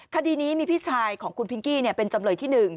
คดีนี้มีพี่ชายของคุณพิงกี้เป็นจำเลยที่๑